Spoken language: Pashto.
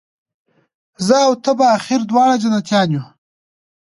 زه او ته به آخر دواړه جنتیان یو